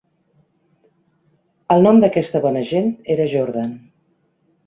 El nom d'aquesta bona gent era Jordan.